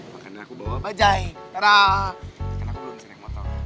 padahal aku belum seneng motong